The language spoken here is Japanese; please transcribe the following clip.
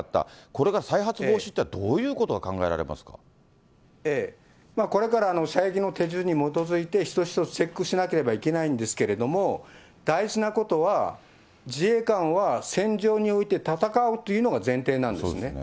これが再発防止っていうのは、どこれから射撃の手順に基づいて、一つ一つチェックしなければいけないんですけれども、大事なことは、自衛官は戦場において戦うというのが前提なんですね。